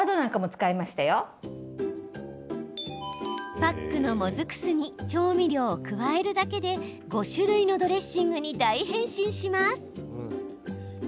パックのもずく酢に調味料を加えるだけで５種類のドレッシングに大変身します。